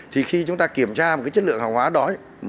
thì khi chúng ta kiểm tra một cái chất lượng hàng hóa đó